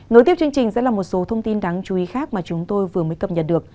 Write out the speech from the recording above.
nối tiếp chương trình sẽ là một số thông tin đáng chú ý khác mà chúng tôi vừa mới cập nhật được